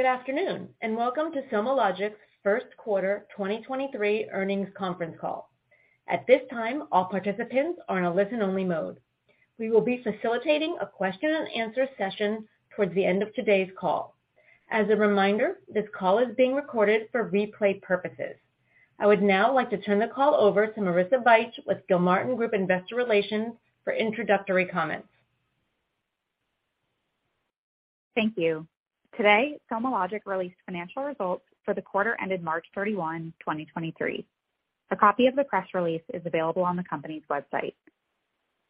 Good afternoon, welcome to SomaLogic's first quarter 2023 earnings conference call. At this time, all participants are on a listen-only mode. We will be facilitating a question and answer session towards the end of today's call. As a reminder, this call is being recorded for replay purposes. I would now like to turn the call over to Marissa Bych with Gilmartin Group Investor Relations for introductory comments. Thank you. Today, SomaLogic released financial results for the quarter ended March 31, 2023. A copy of the press release is available on the company's website.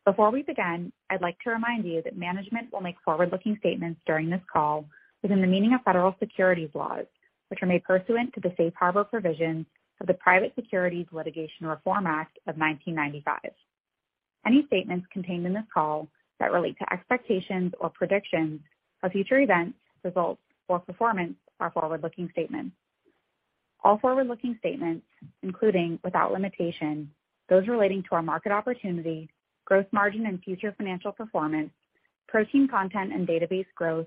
Before we begin, I'd like to remind you that management will make forward-looking statements during this call within the meaning of federal securities laws, which are made pursuant to the safe harbor provisions of the Private Securities Litigation Reform Act of 1995. Any statements contained in this call that relate to expectations or predictions of future events, results or performance are forward-looking statements. All forward-looking statements, including, without limitation, those relating to our market opportunity, growth margin and future financial performance, protein content and database growth,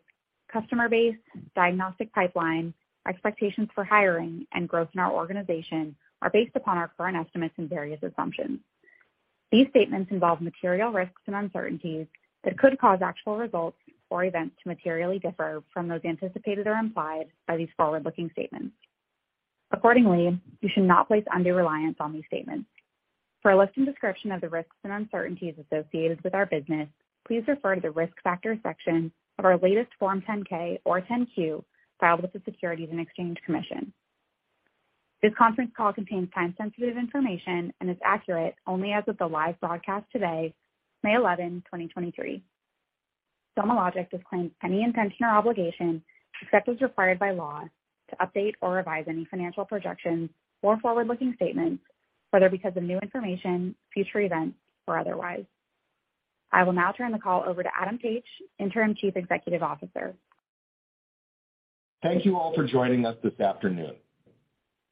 customer base, diagnostic pipeline, expectations for hiring, and growth in our organization, are based upon our current estimates and various assumptions. These statements involve material risks and uncertainties that could cause actual results or events to materially differ from those anticipated or implied by these forward-looking statements. Accordingly, you should not place undue reliance on these statements. For a list and description of the risks and uncertainties associated with our business, please refer to the Risk Factors section of our latest Form 10-K or 10-Q filed with the Securities and Exchange Commission. This conference call contains time-sensitive information and is accurate only as of the live broadcast today, May 11, 2023. SomaLogic disclaims any intention or obligation, except as required by law, to update or revise any financial projections or forward-looking statements, whether because of new information, future events, or otherwise. I will now turn the call over to Adam Taich, Interim Chief Executive Officer. Thank you all for joining us this afternoon.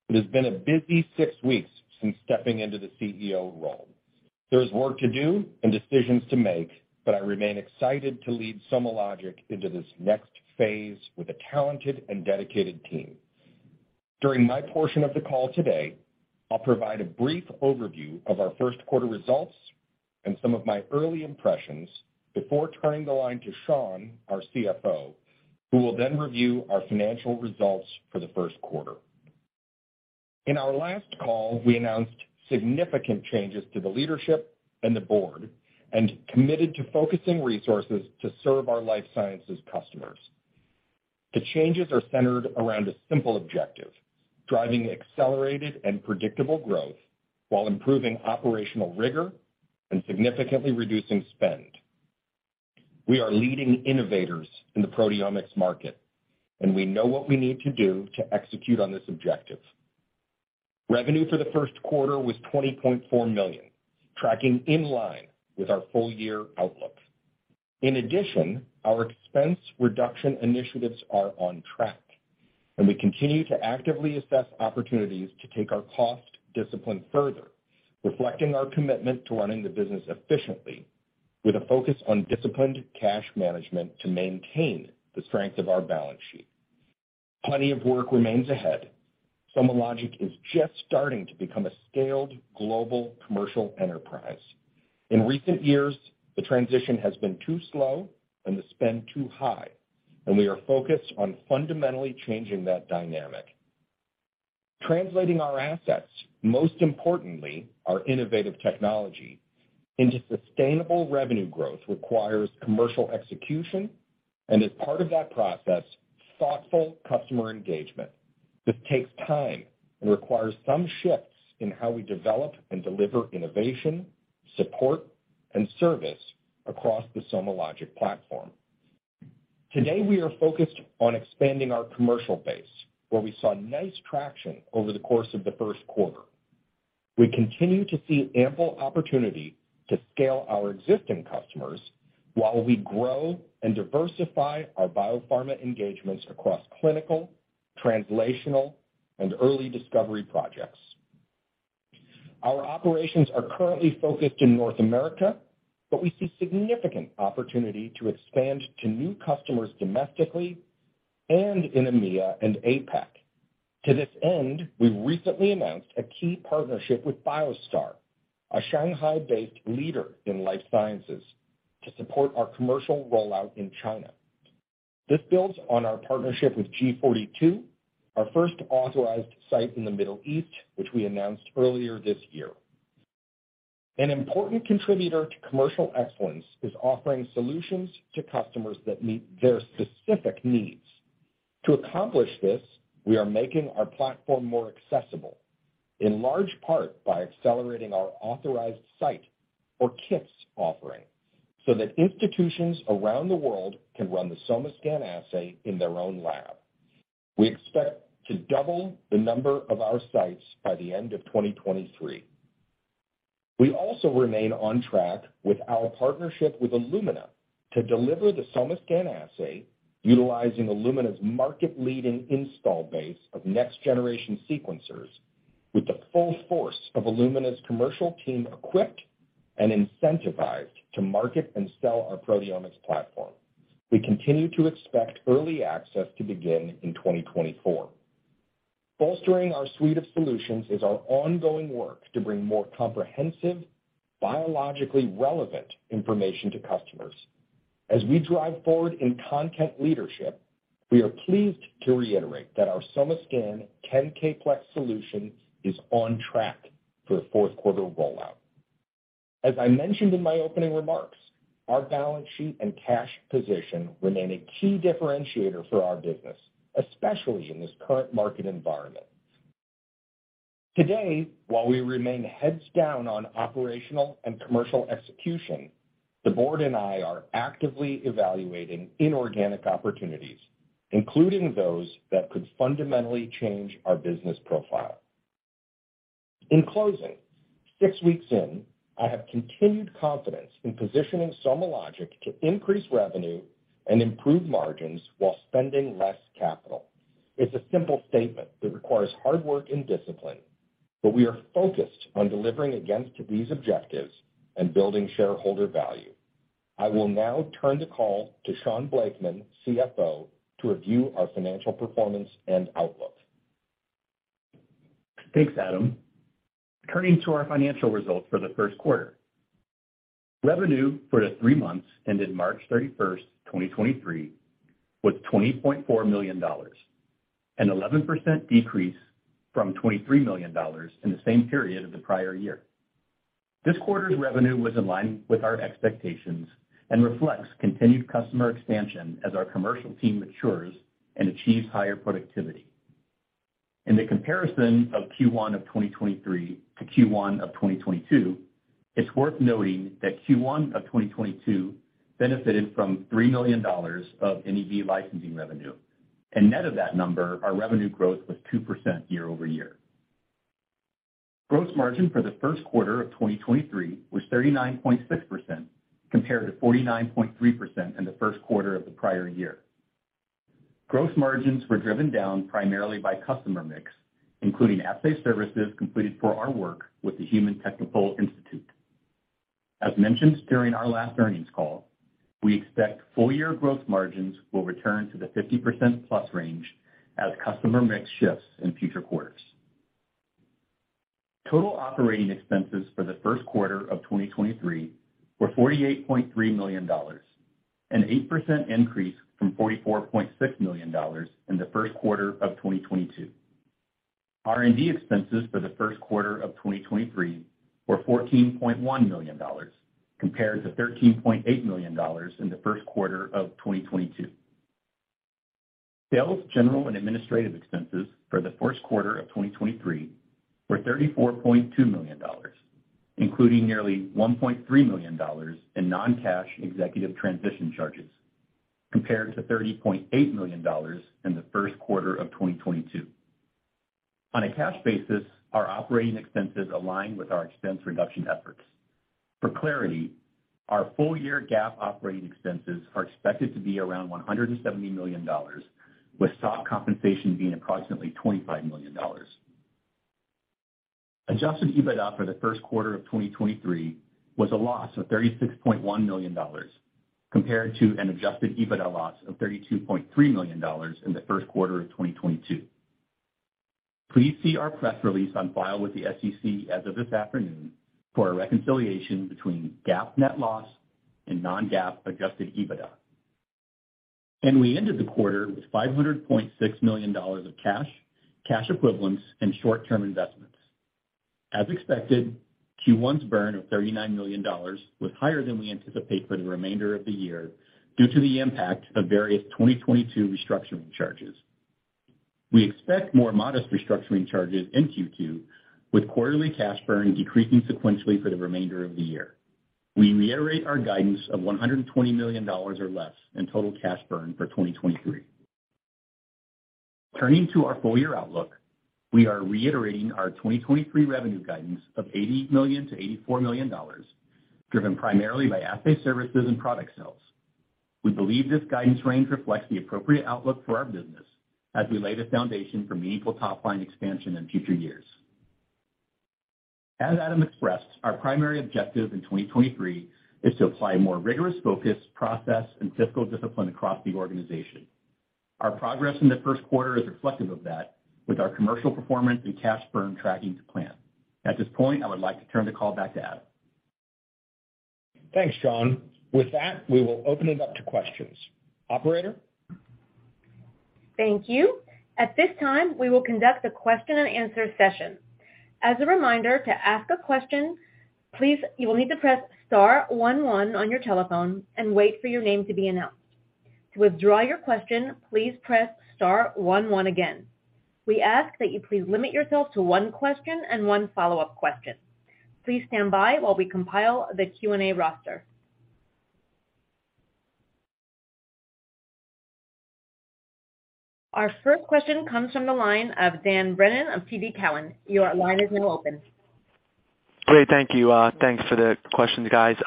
It has been a busy six weeks since stepping into the CEO role. There's work to do and decisions to make, but I remain excited to lead SomaLogic into this next phase with a talented and dedicated team. During my portion of the call today, I'll provide a brief overview of our first quarter results and some of my early impressions before turning the line to Shaun, our CFO, who will then review our financial results for the first quarter. In our last call, we announced significant changes to the leadership and the board and committed to focusing resources to serve our life sciences customers. The changes are centered around a simple objective, driving accelerated and predictable growth while improving operational rigor and significantly reducing spend. We are leading innovators in the proteomics market, and we know what we need to do to execute on this objective. Revenue for the first quarter was $20.4 million, tracking in line with our full year outlook. In addition, our expense reduction initiatives are on track, and we continue to actively assess opportunities to take our cost discipline further, reflecting our commitment to running the business efficiently with a focus on disciplined cash management to maintain the strength of our balance sheet. Plenty of work remains ahead. SomaLogic is just starting to become a scaled global commercial enterprise. In recent years, the transition has been too slow and the spend too high, and we are focused on fundamentally changing that dynamic. Translating our assets, most importantly our innovative technology, into sustainable revenue growth requires commercial execution and, as part of that process, thoughtful customer engagement. This takes time and requires some shifts in how we develop and deliver innovation, support, and service across the SomaLogic platform. Today, we are focused on expanding our commercial base, where we saw nice traction over the course of the first quarter. We continue to see ample opportunity to scale our existing customers while we grow and diversify our biopharma engagements across clinical, translational, and early discovery projects. Our operations are currently focused in North America, but we see significant opportunity to expand to new customers domestically and in EMEA and APAC. To this end, we recently announced a key partnership with Biostar, a Shanghai-based leader in life sciences, to support our commercial rollout in China. This builds on our partnership with G42, our first Authorized Site in the Middle East, which we announced earlier this year. An important contributor to commercial excellence is offering solutions to customers that meet their specific needs. To accomplish this, we are making our platform more accessible, in large part by accelerating our Authorized Site or kits offering, so that institutions around the world can run the SomaScan assay in their own lab. We expect to double the number of our sites by the end of 2023. We also remain on track with our partnership with Illumina to deliver the SomaScan assay utilizing Illumina's market leading install base of next-generation sequencers with the full force of Illumina's commercial team equipped and incentivized to market and sell our proteomics platform. We continue to expect early access to begin in 2024. Bolstering our suite of solutions is our ongoing work to bring more comprehensive, biologically relevant information to customers. As we drive forward in content leadership, we are pleased to reiterate that our SomaScan 10K plex solution is on track for a fourth quarter rollout. As I mentioned in my opening remarks, our balance sheet and cash position remain a key differentiator for our business, especially in this current market environment. Today, while we remain heads down on operational and commercial execution, the board and I are actively evaluating inorganic opportunities, including those that could fundamentally change our business profile. In closing, six weeks in, I have continued confidence in positioning SomaLogic to increase revenue and improve margins while spending less capital. It's a simple statement that requires hard work and discipline, but we are focused on delivering against these objectives and building shareholder value. I will now turn the call to Shaun Blakeman, CFO, to review our financial performance and outlook. Thanks, Adam. Turning to our financial results for the first quarter. Revenue for the 3 months ended March 31st, 2023 was $20.4 million, an 11% decrease from $23 million in the same period of the prior year. This quarter's revenue was in line with our expectations and reflects continued customer expansion as our commercial team matures and achieves higher productivity. In the comparison of Q1 of 2023 to Q1 of 2022, it's worth noting that Q1 of 2022 benefited from $3 million of NEB licensing revenue. Net of that number, our revenue growth was 2% year-over-year. Gross margin for the first quarter of 2023 was 39.6% compared to 49.3% in the first quarter of the prior year. Gross margins were driven down primarily by customer mix, including assay services completed for our work with the Human Technopole. As mentioned during our last earnings call, we expect full year gross margins will return to the 50%+ range as customer mix shifts in future quarters. Total operating expenses for the first quarter of 2023 were $48.3 million, an 8% increase from $44.6 million in the first quarter of 2022. R&D expenses for the first quarter of 2023 were $14.1 million compared to $13.8 million in the first quarter of 2022. Sales, general and administrative expenses for the first quarter of 2023 were $34.2 million, including nearly $1.3 million in non-cash executive transition charges, compared to $30.8 million in the first quarter of 2022. On a cash basis, our operating expenses align with our expense reduction efforts. For clarity, our full year GAAP operating expenses are expected to be around $170 million, with stock compensation being approximately $25 million. Adjusted EBITDA for the first quarter of 2023 was a loss of $36.1 million compared to an adjusted EBITDA loss of $32.3 million in the first quarter of 2022. Please see our press release on file with the SEC as of this afternoon for a reconciliation between GAAP net loss and non-GAAP adjusted EBITDA. We ended the quarter with $500.6 million of cash equivalents and short-term investments. As expected, Q1's burn of $39 million was higher than we anticipate for the remainder of the year due to the impact of various 2022 restructuring charges. We expect more modest restructuring charges in Q2, with quarterly cash burn decreasing sequentially for the remainder of the year. We reiterate our guidance of $120 million or less in total cash burn for 2023. Turning to our full year outlook, we are reiterating our 2023 revenue guidance of $80 million-$84 million, driven primarily by assay services and product sales. We believe this guidance range reflects the appropriate outlook for our business as we lay the foundation for meaningful top line expansion in future years. As Adam expressed, our primary objective in 2023 is to apply more rigorous focus, process, and fiscal discipline across the organization. Our progress in the first quarter is reflective of that, with our commercial performance and cash burn tracking to plan. At this point, I would like to turn the call back to Adam. Thanks, Shaun. With that, we will open it up to questions. Operator? Thank you. At this time, we will conduct a question and answer session. As a reminder, to ask a question, please, you will need to press star one one on your telephone and wait for your name to be announced. To withdraw your question, please press star one one again. We ask that you please limit yourself to one question and one follow-up question. Please stand by while we compile the Q&A roster. Our first question comes from the line of Daniel Brennan of TD Cowen. Your line is now open. Great. Thank you. Thanks for the questions, guys.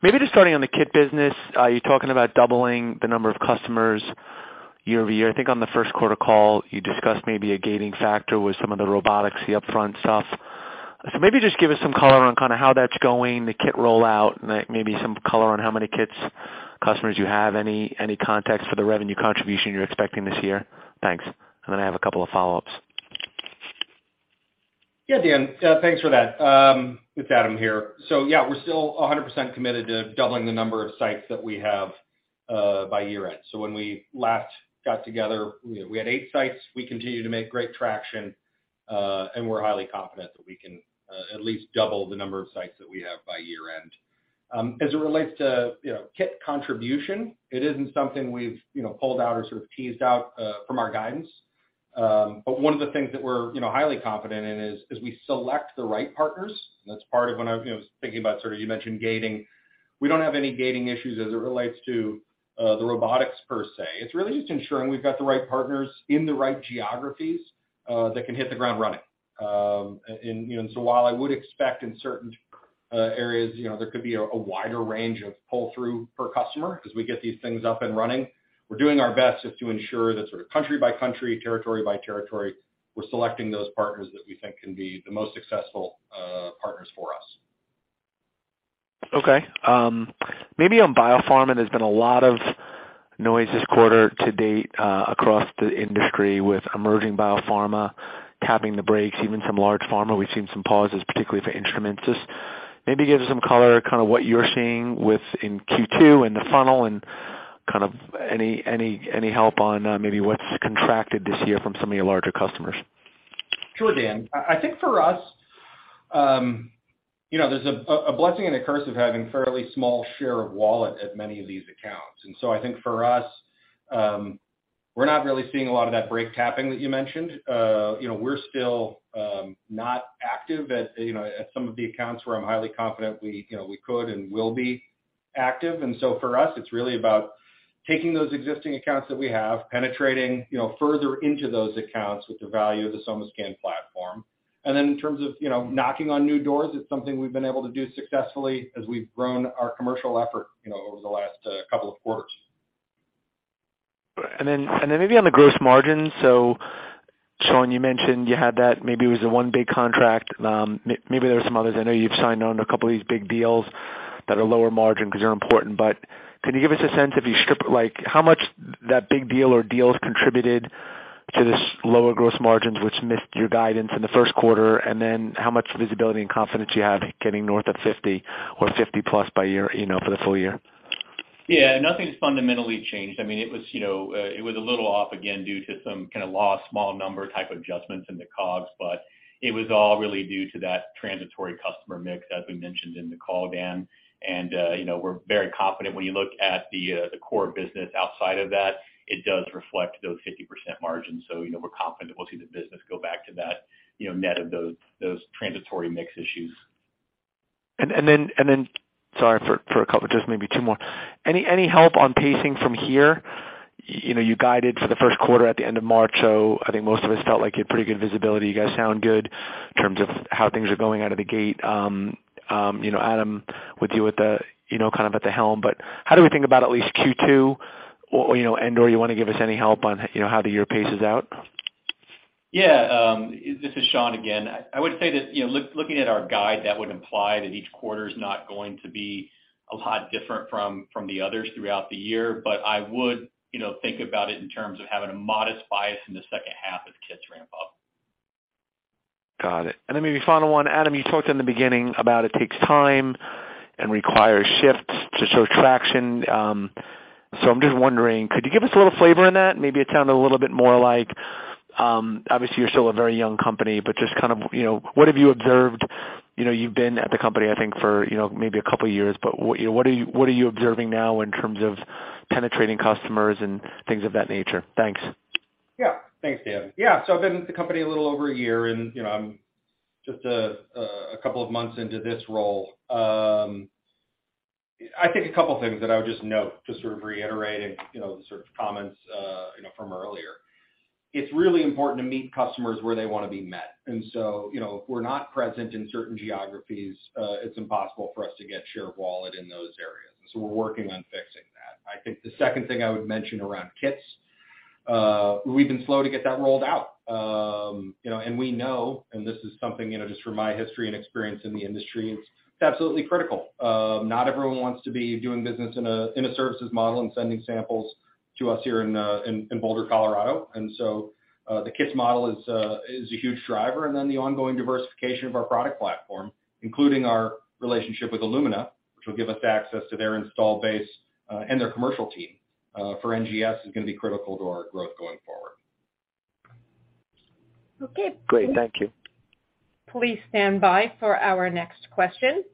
Maybe just starting on the kit business. You're talking about doubling the number of customers year-over-year, I think on the first quarter call, you discussed maybe a gating factor with some of the robotics, the upfront stuff. Maybe just give us some color on kind of how that's going, the kit rollout, and maybe some color on how many kits customers you have. Any context for the revenue contribution you're expecting this year? Thanks. I have a couple of follow-ups. Yeah, Dan, thanks for that. It's Adam here. Yeah, we're still 100% committed to doubling the number of sites that we have by year-end. When we last got together, we had 8 sites. We continue to make great traction, and we're highly confident that we can at least double the number of sites that we have by year-end. As it relates to, you know, kit contribution, it isn't something we've, you know, pulled out or sort of teased out from our guidance. One of the things that we're, you know, highly confident in is, as we select the right partners, that's part of when I, you know, was thinking about sort of you mentioned gating. We don't have any gating issues as it relates to the robotics per se. It's really just ensuring we've got the right partners in the right geographies, that can hit the ground running. You know, so while I would expect in certain areas, you know, there could be a wider range of pull-through per customer as we get these things up and running, we're doing our best just to ensure that sort of country by country, territory by territory, we're selecting those partners that we think can be the most successful partners for us. Maybe on biopharma, there's been a lot of noise this quarter to date, across the industry with emerging biopharma tapping the brakes, even some large pharma. We've seen some pauses, particularly for instruments. Just maybe give some color kind of what you're seeing with in Q2 and the funnel and kind of any help on, maybe what's contracted this year from some of your larger customers? Sure, Dan. I think for us, you know, there's a blessing and a curse of having fairly small share of wallet at many of these accounts. I think for us, we're not really seeing a lot of that brake tapping that you mentioned. You know, we're still not active at, you know, at some of the accounts where I'm highly confident we could and will be active. For us, it's really about taking those existing accounts that we have, penetrating, you know, further into those accounts with the value of the SomaScan platform. In terms of, you know, knocking on new doors, it's something we've been able to do successfully as we've grown our commercial effort, you know, over the last couple of quarters. Maybe on the gross margin. Shaun, you mentioned you had that maybe it was the one big contract. Maybe there are some others. I know you've signed on a couple of these big deals that are lower margin 'cause they're important, but can you give us a sense, if you strip, like how much that big deal or deals contributed to this lower gross margins, which missed your guidance in the first quarter, and then how much visibility and confidence you have getting north of 50% or 50%+ by year, you know, for the full year? Yeah, nothing's fundamentally changed. I mean, it was, you know, it was a little off again due to some kinda low, small number type adjustments in the COGS, but it was all really due to that transitory customer mix, as we mentioned in the call, Dan. You know, we're very confident when you look at the core business outside of that, it does reflect those 50% margins. You know, we're confident that we'll see the business go back to that, you know, net of those transitory mix issues. Sorry for a couple, just maybe two more. Any help on pacing from here? You know, you guided for the first quarter at the end of March, so I think most of us felt like you had pretty good visibility. You guys sound good in terms of how things are going out of the gate. You know, Adam, with you at the, you know, kind of at the helm, but how do we think about at least Q2, or, you know, and or you wanna give us any help on, you know, how the year paces out? This is Shaun again. I would say that, you know, looking at our guide, that would imply that each quarter is not going to be a lot different from the others throughout the year. I would, you know, think about it in terms of having a modest bias in the second half as kits ramp up. Got it. Then maybe final one, Adam, you talked in the beginning about it takes time and requires shifts to show traction. I'm just wondering, could you give us a little flavor in that? Maybe it sounded a little bit more like, obviously you're still a very young company, but just kind of, you know, what have you observed? You know, you've been at the company, I think, for, you know, maybe a couple of years, but what, you know, what are you observing now in terms of penetrating customers and things of that nature? Thanks. Thanks, Dan. I've been with the company a little over a year and, you know, I'm just a couple of months into this role. I think a couple of things that I would just note to sort of reiterate and, you know, the sort of comments, you know, from earlier. It's really important to meet customers where they wanna be met. You know, if we're not present in certain geographies, it's impossible for us to get share of wallet in those areas. We're working on fixing that. I think the second thing I would mention around kits, we've been slow to get that rolled out. You know, and this is something, you know, just from my history and experience in the industry, it's absolutely critical. Not everyone wants to be doing business in a services model and sending samples to us here in Boulder, Colorado. The kits model is a huge driver. The ongoing diversification of our product platform, including our relationship with Illumina, which will give us access to their install base and their commercial team for NGS, is gonna be critical to our growth going forward. Okay. Great. Thank you. Please stand by for our next question.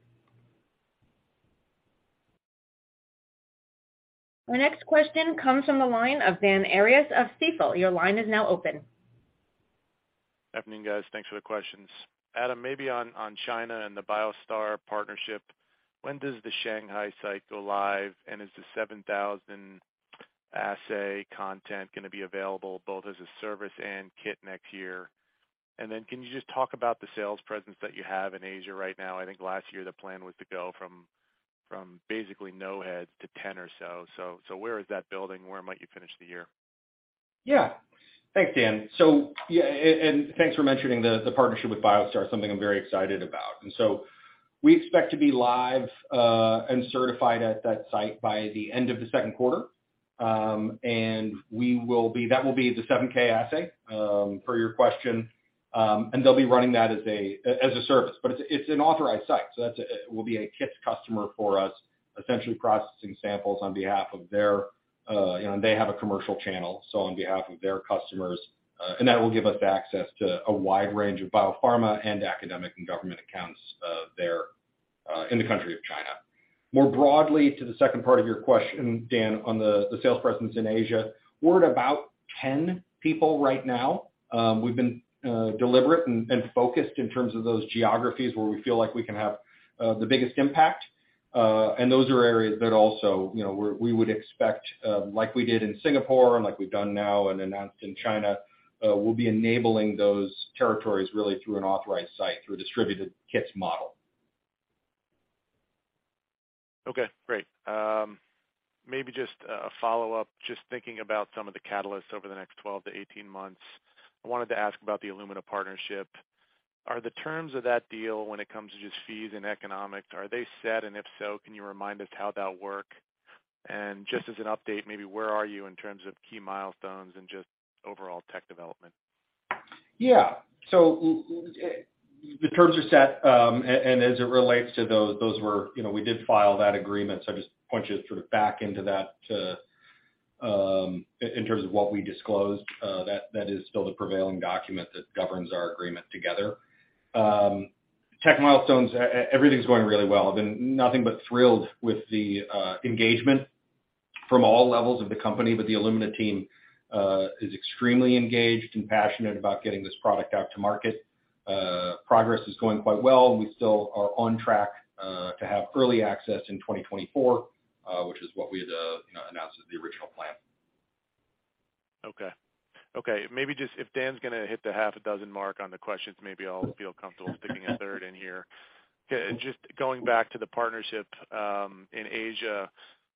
Our next question comes from the line of Dan Arias of Stifel. Your line is now open. Evening, guys. Thanks for the questions. Adam, maybe on China and the Biostar partnership, when does the Shanghai site go live, and is the 7,000 assay content gonna be available both as a service and kit next year? Can you just talk about the sales presence that you have in Asia right now? I think last year the plan was to go from basically no heads to 10 or so. Where is that building? Where might you finish the year? Yeah. Thanks, Dan. Yeah, and thanks for mentioning the partnership with Biostar, something I'm very excited about. We expect to be live, and certified at that site by the end of the second quarter. That will be the 7K assay, per your question. They'll be running that as a service. It's an Authorized Site, so that will be a kits customer for us, essentially processing samples on behalf of their, you know... They have a commercial channel, so on behalf of their customers. That will give us access to a wide range of biopharma and academic and government accounts, there, in the country of China. More broadly, to the second part of your question, Dan, on the sales presence in Asia, we're at about 10 people right now. We've been deliberate and focused in terms of those geographies where we feel like we can have the biggest impact. Those are areas that also, you know, we would expect, like we did in Singapore and like we've done now and announced in China, we'll be enabling those territories really through an Authorized Site, through a distributed kits model. Okay, great. Maybe just a follow-up, just thinking about some of the catalysts over the next 12 to 18 months, I wanted to ask about the Illumina partnership. Are the terms of that deal when it comes to just fees and economics, are they set, and if so, can you remind us how that'll work? Just as an update, maybe where are you in terms of key milestones and just overall tech development? Yeah. The terms are set, and as it relates to those were. You know, we did file that agreement, so I just point you sort of back into that in terms of what we disclosed. That is still the prevailing document that governs our agreement together. Tech milestones, everything's going really well. I've been nothing but thrilled with the engagement from all levels of the company, but the Illumina team is extremely engaged and passionate about getting this product out to market. Progress is going quite well, and we still are on track to have early access in 2024, which is what we had, you know, announced as the original plan. Okay. Maybe just if Dan's gonna hit the half a dozen mark on the questions, maybe I'll feel comfortable sticking a third in here. Just going back to the partnership, in Asia,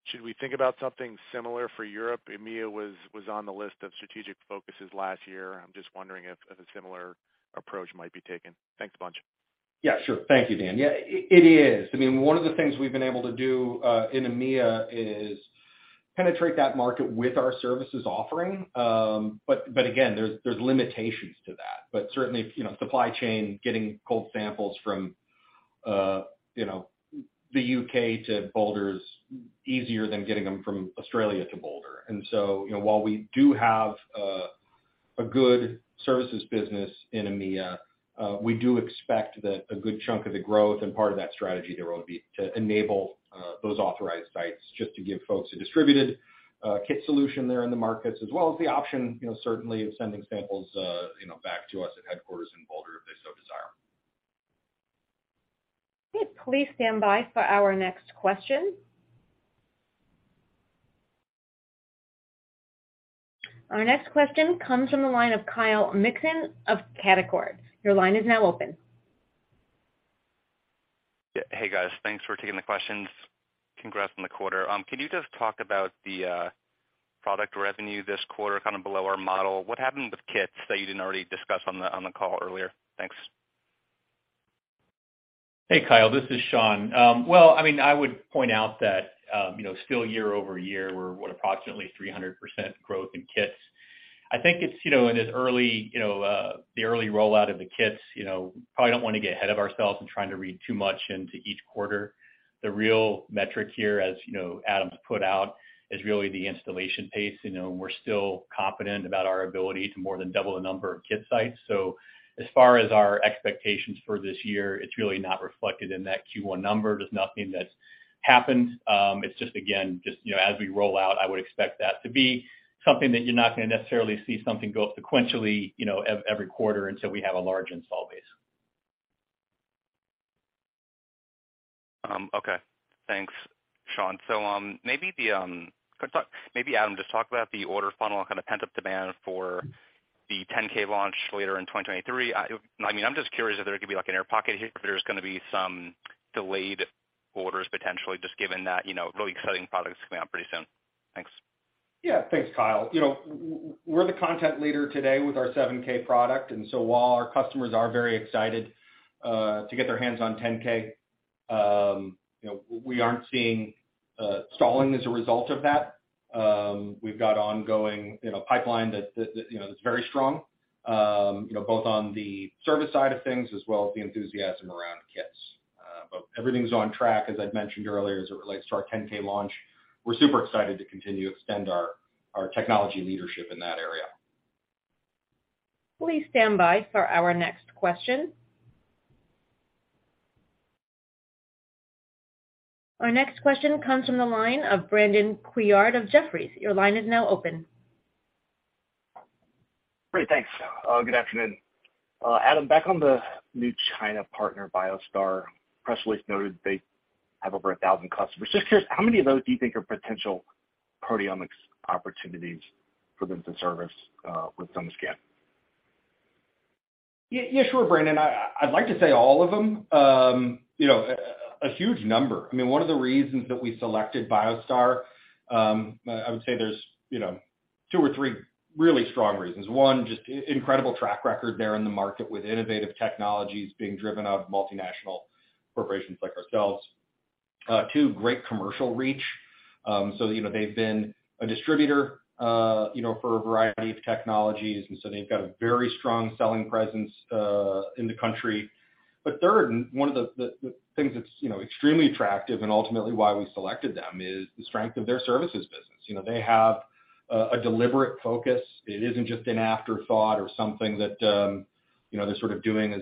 should we think about something similar for Europe? EMEA was on the list of strategic focuses last year. I'm just wondering if a similar approach might be taken. Thanks a bunch. Yeah, sure. Thank you, Dan. Yeah, it is. I mean, one of the things we've been able to do in EMEA is penetrate that market with our services offering. Again, there's limitations to that. Certainly, you know, supply chain, getting cold samples from, you know, the U.K. to Boulder is easier than getting them from Australia to Boulder. You know, while we do have a good services business in EMEA, we do expect that a good chunk of the growth and part of that strategy there will be to enable those Authorized Sites just to give folks a distributed kit solution there in the markets, as well as the option, you know, certainly of sending samples, you know, back to us at headquarters in Boulder if they so desire. Please stand by for our next question. Our next question comes from the line of Kyle Mikson of Canaccord Genuity. Your line is now open. Hey, guys. Thanks for taking the questions. Congrats on the quarter. Can you just talk about the product revenue this quarter kind of below our model? What happened with kits that you didn't already discuss on the call earlier? Thanks. Hey, Kyle. This is Shaun. Well, I mean, I would point out that, you know, still year-over-year, we're what approximately 300% growth in kits. I think it's, you know, in this early, the early rollout of the kits, you know, probably don't wanna get ahead of ourselves in trying to read too much into each quarter. The real metric here, as, you know, Adam's put out, is really the installation pace. You know, we're still confident about our ability to more than double the number of kit sites. As far as our expectations for this year, it's really not reflected in that Q1 number. There's nothing that's happened. It's just again, you know, as we roll out, I would expect that to be something that you're not gonna necessarily see something go sequentially, you know, every quarter until we have a large install base. Okay. Thanks, Shaun. Maybe Adam, just talk about the order funnel and kind of pent-up demand for the 10K launch later in 2023? I mean, I'm just curious if there could be like an air pocket here, if there's gonna be some delayed orders potentially just given that, you know, really exciting products coming out pretty soon? Thanks. Yeah. Thanks, Kyle. You know, we're the content leader today with our 7K product. While our customers are very excited to get their hands on 10K, you know, we aren't seeing stalling as a result of that. We've got ongoing, you know, pipeline that, you know, that's very strong, you know, both on the service side of things as well as the enthusiasm around kits. Everything's on track, as I'd mentioned earlier, as it relates to our 10K launch. We're super excited to continue to extend our technology leadership in that area. Please stand by for our next question. Our next question comes from the line of Brandon Couillard of Jefferies. Your line is now open. Great. Thanks. Good afternoon. Adam, back on the new China partner, Biostar, press release noted they have over 1,000 customers. Just curious, how many of those do you think are potential proteomics opportunities for them to service with SomaScan? Yeah, sure, Brandon. I'd like to say all of them. You know, a huge number. I mean, one of the reasons that we selected Biostar, I would say there's, you know, two or three really strong reasons. One, just incredible track record there in the market with innovative technologies being driven out of multinational corporations like ourselves. Two, great commercial reach. You know, they've been a distributor, you know, for a variety of technologies, and so they've got a very strong selling presence in the country. Third, and one of the things that's, you know, extremely attractive and ultimately why we selected them is the strength of their services business. You know, they have a deliberate focus. It isn't just an afterthought or something that, you know, they're sort of doing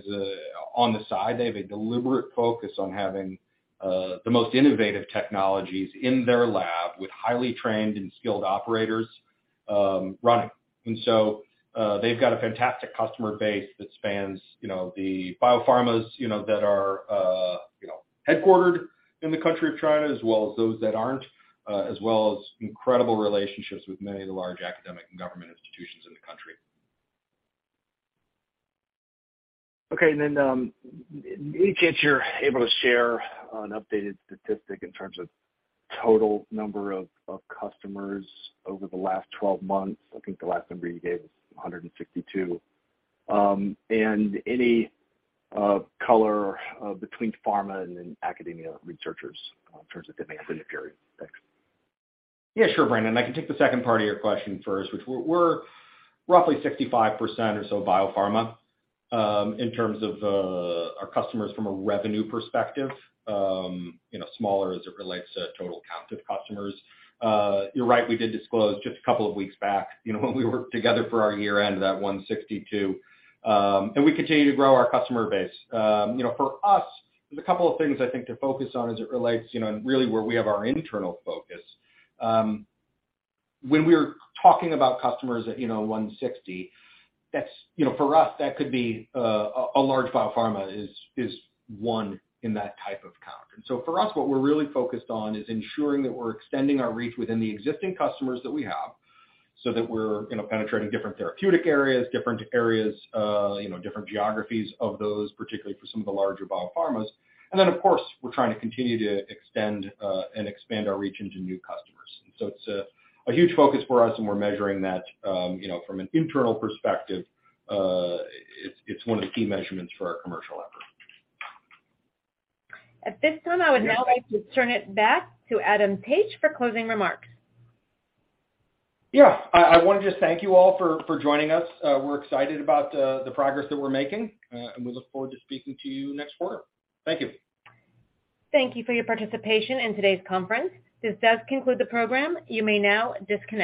on the side. They have a deliberate focus on having the most innovative technologies in their lab with highly trained and skilled operators running. They've got a fantastic customer base that spans, you know, the biopharmas, you know, that are, you know, headquartered in the country of China, as well as those that aren't, as well as incredible relationships with many of the large academic and government institutions in the country. Okay. In case you're able to share an updated statistic in terms of total number of customers over the last 12 months. I think the last number you gave was 162. Any color between pharma and academia researchers in terms of demand in the period. Thanks. Yeah, sure, Brandon. I can take the second part of your question first, which we're roughly 65% or so biopharma, in terms of our customers from a revenue perspective, you know, smaller as it relates to total count of customers. You're right, we did disclose just a couple of weeks back, you know, when we worked together for our year-end, that 162. We continue to grow our customer base. You know, for us, there's a couple of things I think to focus on as it relates, you know, and really where we have our internal focus. When we're talking about customers at, you know, 160, that's, you know, for us, that could be a large biopharma is one in that type of count. For us, what we're really focused on is ensuring that we're extending our reach within the existing customers that we have so that we're, you know, penetrating different therapeutic areas, different areas, you know, different geographies of those, particularly for some of the larger biopharmas. Then, of course, we're trying to continue to extend and expand our reach into new customers. It's a huge focus for us, and we're measuring that, you know, from an internal perspective. It's, it's one of the key measurements for our commercial effort. At this time, I would now like to turn it back to Adam Taich for closing remarks. I want to just thank you all for joining us. We're excited about the progress that we're making. We look forward to speaking to you next quarter. Thank you. Thank you for your participation in today's conference. This does conclude the program. You may now disconnect.